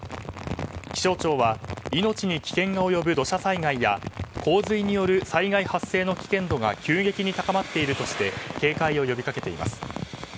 気象庁は、命に危険が及ぶ土砂災害や洪水による災害発生の危険度が急激に高まっているとして警戒を呼びかけています。